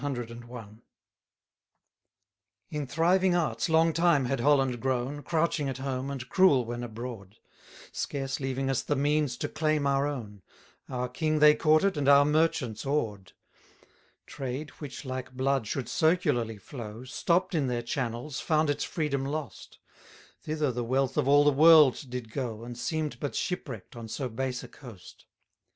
1 In thriving arts long time had Holland grown, Crouching at home and cruel when abroad: Scarce leaving us the means to claim our own; Our King they courted, and our merchants awed. 2 Trade, which, like blood, should circularly flow, Stopp'd in their channels, found its freedom lost: Thither the wealth of all the world did go, And seem'd but shipwreck'd on so base a coast.